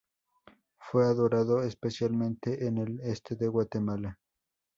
Fue adorado especialmente en el este de Guatemala.